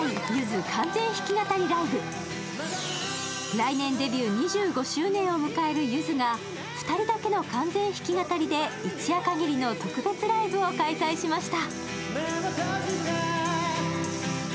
来年、デビュー２５周年を迎えるゆずが２人だけの完全弾き語りで一夜限りの特別ライブを開催しました。